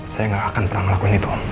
saya gak akan pernah melakukan itu om